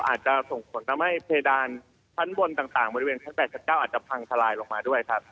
อาจจะส่งผลทำให้เพดานชั้นบนต่างบริเวณชั้น๘๙อาจจะพังทลายลงมาด้วยครับ